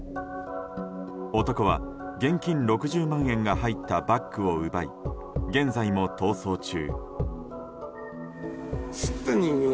男は、現金６０万円が入ったバッグを奪い現在も逃走中。